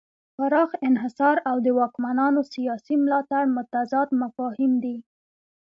پراخ انحصار او د واکمنانو سیاسي ملاتړ متضاد مفاهیم دي.